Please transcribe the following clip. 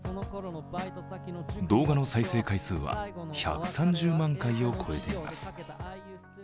動画の再生回数は１３０万回を超えています。